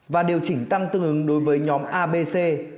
và điều chỉnh tăng tương ứng đối với nhóm abc